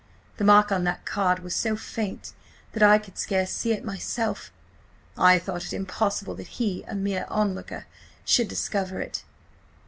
The mark on that card was so faint that I could scarce see it myself. I thought it impossible that he, a mere onlooker, should discover it.